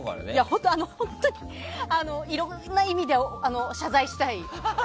本当にいろんな意味で謝罪したい。